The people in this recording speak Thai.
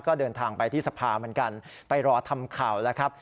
ก็เดินทางไปที่สภาเหมือนกันไปรอทำข่าวแล้วครับ